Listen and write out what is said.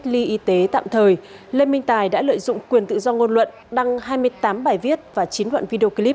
lê minh tài đã lợi dụng quyền tự do ngôn luận đăng hai mươi tám bài viết và chín đoạn video clip